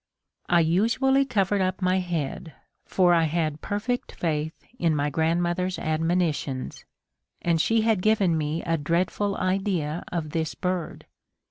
I usually covered up my head, for I had perfect faith in my grandmother's admonitions, and she had given me a dreadful idea of this bird.